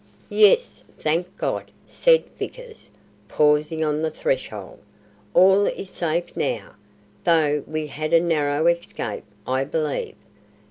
"Yes, thank God!" said Vickers, pausing on the threshold. "All is safe now, though we had a narrow escape, I believe.